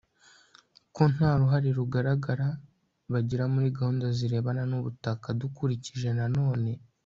ko nta ruhare rugaragara bagira muri gahunda zirebana n ubutaka dukurikije na none